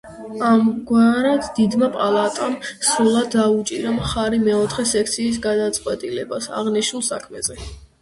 ამგვარად, დიდმა პალატამ სრულად დაუჭირა მხარი მეოთხე სექციის გადაწყვეტილებას აღნიშნულ საქმეზე.